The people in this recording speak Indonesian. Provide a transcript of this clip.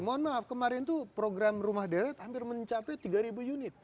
mohon maaf kemarin itu program rumah deret hampir mencapai tiga unit